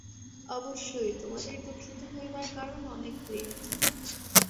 অবশ্যই তোমাদের দুঃখিত হইবার কারণ অনেক হইয়াছে।